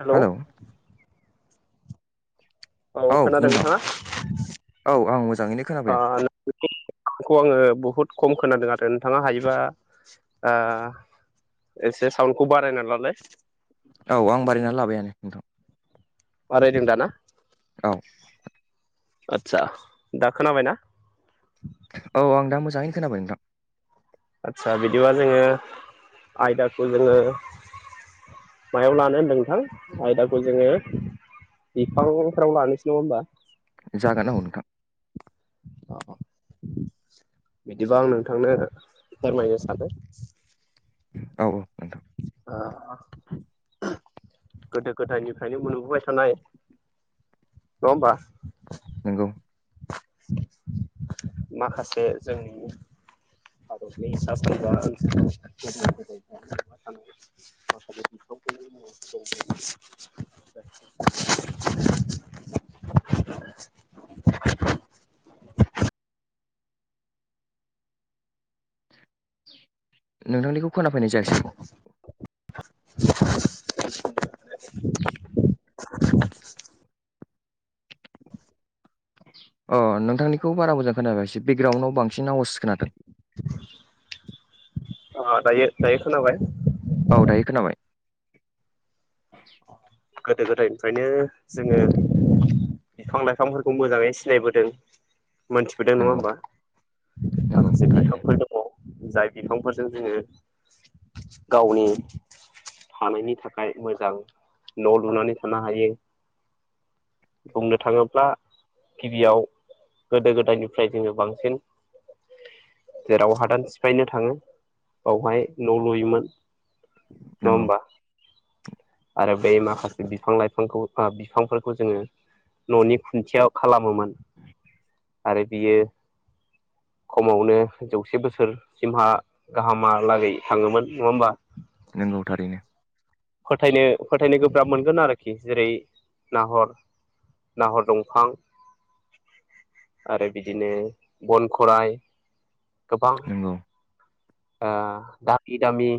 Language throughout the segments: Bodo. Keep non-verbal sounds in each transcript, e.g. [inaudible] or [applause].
हेलौ औ खोनादों नोंथांङा औ आं मोजाङैनो ओ [inaudible] खोनाफैदों आंङो बहुद खम खोनादों आरो नोंथांङा हायोबा आ एसे साउन्डखौ बारायना लालाय। औ आं बारायनानै लाबायानो नोंथां। बारायदों दा ना औ आदचा दा खोनाबायना? औ आं दा मोजांङैनो खोनाबाय नोंथां। आदसा बिदिबा जोंङो आयदाखौ जोंङो मायाव लानो होनदों नोंथां आयदाखौ जोंङो बिफांफोराव लानोसै नङा होमबा जागोन औ नोंथां। अ बिदिबा आं नोंथांनो फोरमायनो सानो औ औ नोंथां ओ गोदो गोदायनिफ्रायनो मोनबोबाय थानाय नङा होमबा नोंगौ माखासे जोंनि भारतनि सा सानजा ओनसोलनि माखासे गोदो गोदाय बुंफबना थानाय [inaudible] नोंथांनिखौ खोनाफैनाय जायासै [unintelligible] अ नोंथांनिखौ बारा मोजां खोनाफैयासै बेकग्राउन्डआव बांसिन आवास खोनादों। अ दायो दायोखोनाबाय? औ दायो खोनाबाय गोदो गोदायनिफ्रायनो जोंङो बिफां लाइफांफोरखौ मोजांङै सिनायबोदों। मोनथिबोदों नङा नंगौ होमबा नंगौ माखासे थारैनो बिफांफोर दङ। जाय बिफांफोरजों जोङो गावनि थानायनि थाखाय मोजां न लुनानै थानो हायो। बुंनो थाङोब्ला गिबियाव गोदो गोदायनिफ्राय जोङो बांसिन जेराव हादान सिफायनो थाङो बावहाय न लुयोमोन। नङा नंगौ होनबा। आरो बे माखासे बिफां लाइफांखौ ओ बिफांफोरखौ जोङो। ननि खुन्थिया खालामोमोन आरो बियो खमावनो जौसे बोसोर सिमहा गाहामहालागै थाङोमोन नङा होमबा? नंगौ थारैनो। फोथायनो फोथायनो गोब्राब मोनगोन आरोखि जेरै नाहर नाहर दंफां आरो बिदिनो बन खराइ। गोबां नंगौ ओ दामि दामि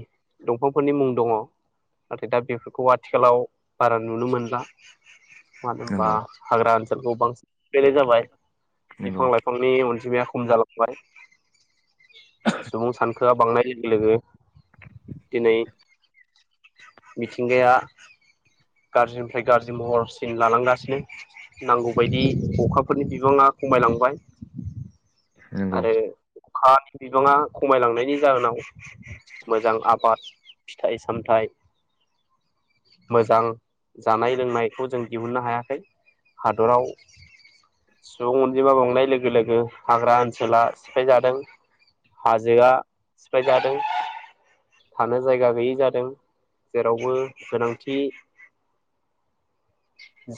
दंफांफोरनि मुं दङ। नाथाय दा बेफोरखौ आथिखालाव बारा नुनो मोनला। मानो होनबा नंगौ हाग्रा खौ बांसिन बेले जाबाय- नंगौ बिफां लाइफांनि उन- जिमाया खम जालांबाय। सुबुं सान- खोआ बांनाय लोगो-लोगो दिनै मिथिंगाया गाज्रिनिफ्राय गाज्रि महरसिन लालांगासिनो नांगौबायायदि अखाफोरनि बिबाङा खमायलांबाय। नंगौ आरो- अख बिबाङा खमायलांनायनि जाहोनाव मोजां आबाद फिथाइ सामथायाइ मोजां जानाय लोंनायखौ जों दिहुननो हायाखै हादराव सुबुं अनजिमा बांनाय लोगो-लोगो हाग्रा ओन- सोला सिफाय जादों हाजोआ सिफाय जादों थानो जायगा गैयै जादों जेरावबो गोनांथि-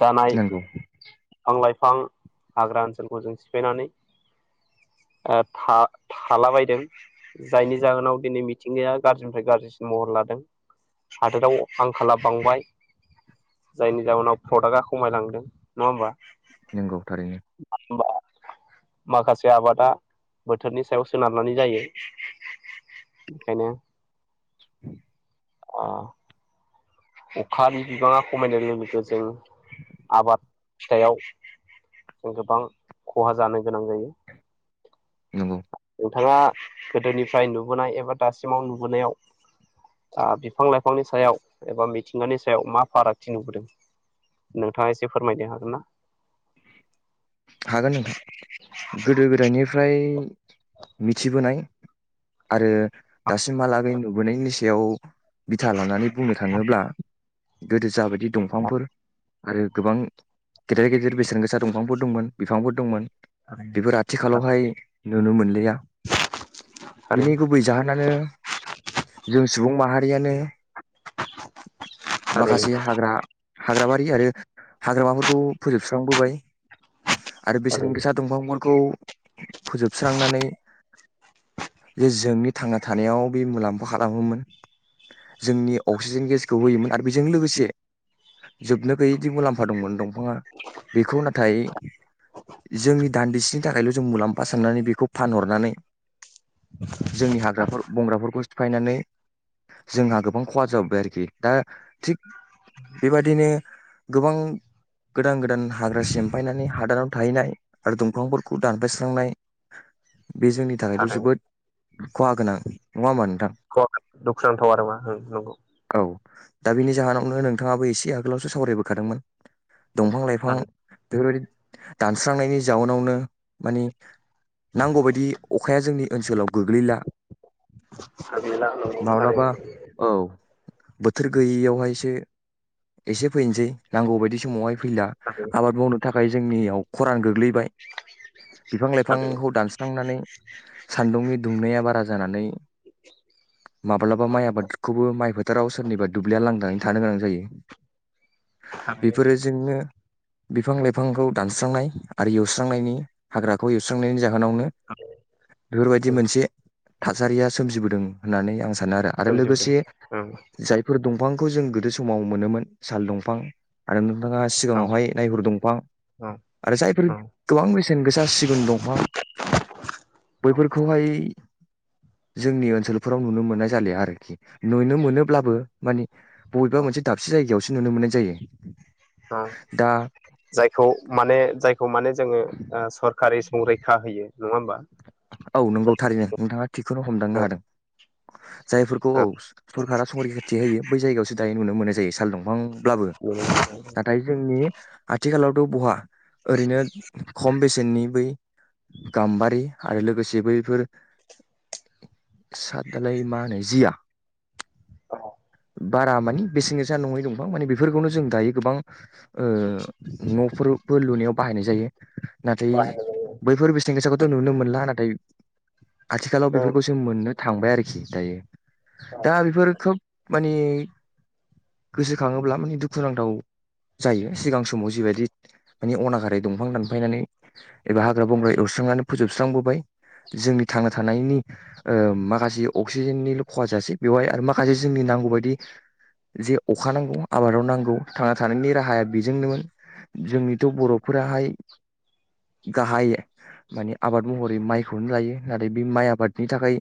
जानाय नंगौ बिफां लाइफ- बिफां हाग्रा ओनसोलखौ जों सिफायनानै ओ था-थालाबायदों जायनि जाहोनाव दिनै मिथिंगाया गाज्रिनिफ्राय गाज्रिसिन महर लादों हादोराव आंखाला बांबाय जायनि जाहोनाव- प्रडाक्टआ खमायलांदों नङा होमबा। नंगौ थारैनो। माखासे आबादा बोथोरनि सायाव सोनारनानै जायो बेखायनो [unintelligible] अ-अखानि बिबाङा खमायनाय लोगो-लोगो जों आबाद फिथाइयाव जों गोबां खहा जानो गोनां जायो। नंगौ। नोंथाङा गोदोनिफ्राय नुबोनाय एबा दासिमाव नुबोनायाव ओ बिफां लाइफांनि सायाव एबा मिथिंगानि सायाव मा फारागथि नुबोदों नोंथाङा एसे फोरमायनो हागोन ना। हागोन नोंथां गोदो गोदायनिफ्राय मिथिबोनाय आरो दासिमहालागै नुबोनायनि सायाव- बिथा लानानै बुंनो थाङोब्ला- गोदो जाबायदि दंफांफोर आरो गोबां गेदेर- गेदेर बेसेन गोसा दंफांफोर दंमोन। बिफांफोर दंमोन। बेफोर आथिखालावहाय नुनो मोनलिया थारैनो बिनि गुबै जाहोनानो जों सुबुं माहा- रियानो। थारैनो माखासे हाग्रा- हाग्राबारि आरो हाग्रामाफोरखौ फोजोबस्रांबोबाय। आरो बेसेन थारैनो गोसा दंफांफोरखौ फोजोबस्रांनानै जे जोंनि थांना थानायाव बे मुलाम्फा खालामोमोन जोंनि अक्सिजेन गेसखौ होयोमोन आरो बेजों लोगोसे जोबनो गैयैदि मुलाम्फा दंमोन दंफाङा बेखौ नाथाय जोंनि दान्दिसेनि थाखायल जों मुलाम्फा साननानै बेखौ फानहरनानै जोंनि हाग्राफोर बंग्राफोरखौ सिफायनानै जोंहा गोबां खहा जाबोबाय आरोखि दा थिग बेबादिनो गोबां गोदान गोदान हाग्रा सिमफायनानै हादानाव थाहैनाय आरो दंफांफोरखौ दानफायस्रांनाय बे जोंनि थाखायथ थारैनो जोबोद खहा गोनां नंङा होमबा नोंथां दुखुनांथाव आरो मा नंगौ औ दा बेनि जाहोनावनो नोंथाङाबो एसे आगोलावसो सावरायबोखादोंमोन दंफां लाइफां बेफोरबायदि दानस्रांनायनि जाउनावनो माने नांगौ बायदि अखाया जोंनि ओनसोलाव गोग्लैला थारैनो माब्लाबा थारैनो औ बोथोर गैयियावहायसो एसे फैनोसै नांगौ बायदि समावहाय फैला आबाद मावनो थाखाय जोंनियाव खरान गोग्लैबाय बिफां थारैनो लाइफांखौ दानस्रांनानै सान्दुंनि दुंनाया बारा जानानै माब्लाबा माइ आबादखौबो माइ फो फोथाराव सोरनिबा दुब्लिया लांदां थानो गोनां जायो। [unintelligible] बिफां थारैनो लाइफां लाइफांखौ दानस्रांनाय आरो एवस्रांनायनि हाग्राखौ एवस्रांनायनि जाहोन दखानावनो बेफोरबायदि उम मोनसे थासारिया सोमजिबोदों होननानै आं सानो आरो आरो सोमजिबोदों लोगोसे औ जायफोर दं दंफांखौ जों गोदो समाव मोनोमोन साल दंफां आरो नोंथाङा औ सिगाङावहाय नायहुर दंफां जायफोर औ गोबां बेसेन गोसा सिगुन दंफां औ बैफोरखौहाय जोंनि ओनसोलफोराव नुनो मोननाय जालिया आरोखि नुनो मोनोब्लाबो माने बबेबा मोनसे दाबसे जायगायावसो नुनो मोननाय जायो। ओ दा जाय खौ माने जाय माने जोङो सरखारि संरैखा होयो। नङा होमबा औ नंगौ थारैनो। ओंथांआ थिखौनो औ हमदांनो हादों। जायफोरखौ औ सरकारा संरिखाथि होयो बै जायगायावसो दायो नुनो मोनो। जायो साल दं दांब्लाबो नाथाय जोंनि आथिखालाव थ बहा ओरैनो खम बेसेननि बै गाम्बारि आरो लोगोसे बैफोर साद दालाय मा होनो? जिया [unintelligible] बारा मानि बेसेन गोसा नङै दंफां माने बेफोरखौनो जों दायो गोबां ओ नफोरबो लुनायाव बाहायनाय जायो। नाथाय बैफोर बेसेन गोसाखौथ नुनो मोनला [unintelligible] आथिखालाव बेफोरखौसो मोननो थांबाय आरोखि दायो दा बेफोर खोब माने गोसोखाङोब्ला दुखुनांथाव जायो सिगां समाव जिबायदि माने अनागारै दंफां दानफायनानै एब हाग्रा बंग्रा एवस्रांनानै सुस्रांबोबाय जोंनि थांना थानायनि ओ माखासे अक्सिजेननिल खहा जासेै बेवहाय आरो माखासे जोंनि नांगौ बायदि जे अखा नांगौ आबादाव नांगौ थांना थानायनि राहाया बेजोंनोमोन जोंनिथ बरफोराहाय गाहाय माने आबाद महरै माइखौनो गायो नाथाय बे माइ आबादनि थाखाय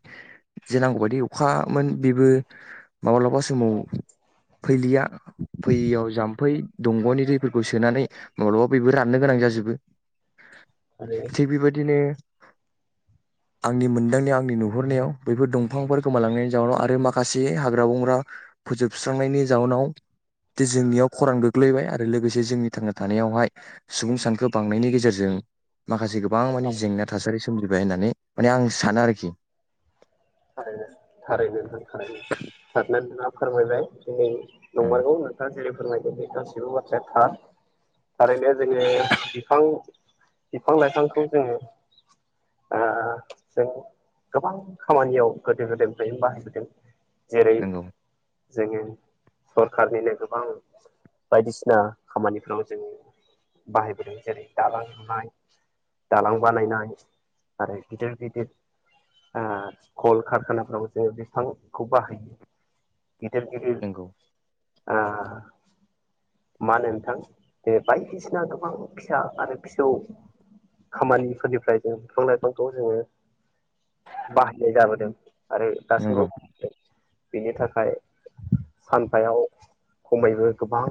जे नांगौ बायदि अखामोन बेबो माब्लाबा समाव फैलिया फैयियाव जाम फै दंगनि दै फोरखौ सोनानै माब्लाबा बैबो राननो गोनां जा थारैनो [unintelligible] थिग बेबायदिनो आंनि मोनदांनायाव आंनि नुहरनायाव बैफोर दंफांफोरखौ गोमालांनायनि जाउनाव आरो माखासे हाग्रा बंग्रा फोजोबस्रांनायनि जाउनाव दि जोंनियाव खरां गोग्लैबाय आरो लोगोसे जोंनि थांना थानायावहाय सुबुं सानखो बांनायनि गेजेरजों माखासे गोबां मानि औ जेंना थासारि सोमजिबाय होननानै माने आं सानो आरोखि थारैनो थारैनो नोंथां [unintelligible] फोरमायबाय दिनै उम नंमारगौ नोंथाङा जेरै फोरमायदों बे गासैबो बाथ्राया थार थारैनो जोङो बिफां बिफां लाइफांखौ जोङो ओ जों गोबां खामानियाव गोदो गोदायनिफ्राय बाहायबोदों जेरै नंगौ जोङो सरखारनिनो गोबां बायदिसिना खामानिफ्राव जों बाहायबोदों जेरै दालां लुनाय दालां बानायनाय आरो गिदिर गिदिर ओ कल कारखानाफ्राबो जोङो बिफांखौ बाहायो गिदिर गिदिर नंगौ ओ मा होनो नोंथां बे बायदिसिना गोबां फिसा आरो फिसौ खामानिफोरनिफ्राय जों बिफां लाइफांखौ जोङो बाहायो नेगा बोदों आरो दासो नंगौ [unintelligible] बेनि थाखाय सानफायाव खमैबो गोबां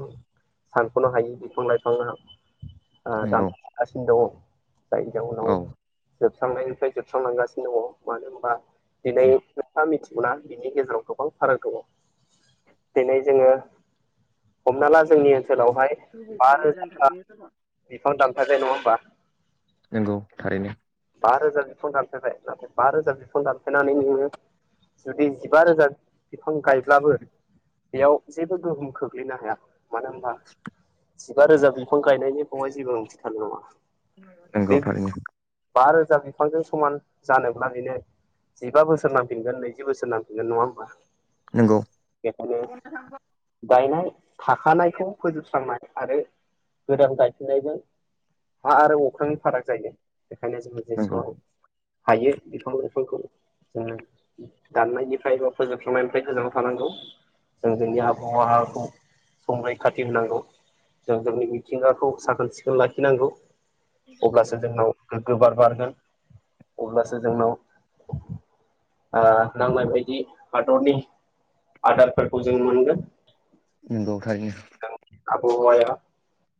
सानखनो हायि बिफां लाइफाङा आ नंगौ दानफाय जागासिनो दङ जाय जाव नाव औ जोबस्रांनायनिफ्राय जोबस्रांलांगासिनो दङ मानो होमबा दिनै एफा मिथि हना बिनि गेजेराव गोबां फाराग दङ दिनै जोङो हमना ला जोंनि ओन ओनसोलावहाय बा रोजाबा बिफां दान माने नङा ओमबा? नोंगौ थारैनो। बा रोजा बिफां दानफायबाय नाथाय बा रोजा बिफां दानफायनानै नोङो जुदि जिबा रोजा बिफां गायब्लाबो बेयाव जेबो गोहोम खोख्लैनो हाया। मानो होमबा जिबा रोजा बिफां गायनायनि बहाय जेबो ओंथि थानाय नङा नंगौ बे बि थारैनो बा रोजा बिफांजों समान जानोब्ला बेनो जिबा बोसोर नांफिनगोन नैजि बोसोर नांफिनगोन नङा होमबा? नंगौ बेखायनो गायनाय थाखानायखौ फोजोबस्रांनाय आरो गोदान गायफिननायजों हा आरो अख्रांनि फाराग जायो। बेखायनो जोङो नंगौ जेसेबां हायो बिफां लाइफांखौ जोङो दाननायनिफ्राय बा फोजोबस्रांनायनिफ्राय गोजानाव थानांगौ जों जोंनि आबहावाखौ संरैखाथि होनांगौ जों जोंनि मिथिंगाखौ साखोन सिखोन लाखिनांगौ। अब्लासो जोंनाव गोबार बारगोन अब्लासो जोंनाव आह नांनाय बायदि हादरनि आदारफोरखौ जों मोनगोन। नोंगौ थारैनो। जों आबहावाया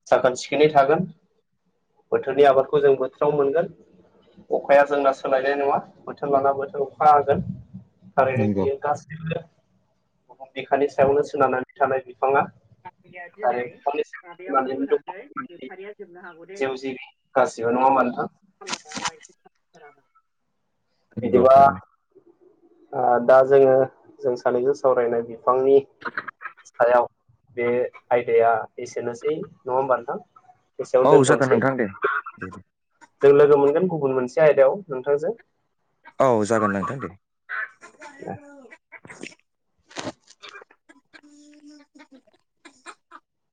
साखोन सिखोनै थागोन बोथोरनि आबादखौ जों बोथोराव मोनगोन अखाया जोंना सोलायनाय नङा। बोथोर लाना बोथोर खा हागोन। आरो नंगौ बियो गासैबो बुहुम बिखानि सायावनो सोनारनानै थानाय बिफाङा [unintelligible] दिनै आरो बिफांनि सायाव माबायाव सोनारनानै दङ बोनानै मानसि जोबथारिया जोबनो हागौ दैे जिउ जिबि गासिबो नङा होमबा नोंथां थाल लायाबा बिदिबा आ दा जो जोङो जों सानैबो सावरायनाय बि बिफांनि सायाव बे आयदाया एसेनोसै नङा होमबा नोंथां? औ एसेयावनो जागोन दोनथ'नोसै नोंथां दे दे दे जों लोगो मोनगोन। गुबुन मोनसे आयदायाव नोंथांजों औ जागोन नोंथां दे। [inaudible] [unintelligible]